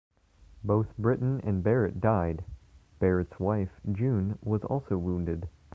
Both Britton and Barrett died; Barrett's wife, June, was also wounded.